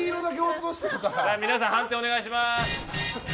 皆さん、判定をお願いします。